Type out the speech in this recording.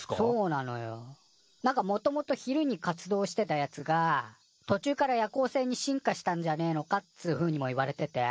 なんかもともと昼に活動してたやつがとちゅうから夜行性に進化したんじゃねえのかっつうふうにもいわれてて。